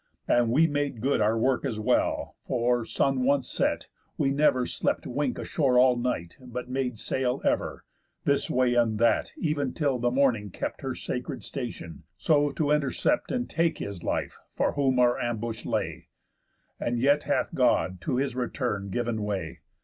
And we made good Our work as well, for, sun once set, we never Slept wink ashore all night, but made sail ever, This way and that, ev'n till the morning kept Her sacred station, so to intercept And take his life, for whom our ambush lay; And yet hath God to his return giv'n way.